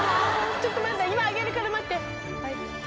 ちょっと待って、今あげるから、待って。